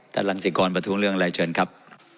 รังสิกรประท้วงเรื่องอะไรเชิญครับ